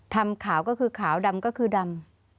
ทำขาวก็คือขาวดำก็คือดำ